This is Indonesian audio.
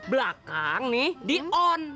belakang nih di on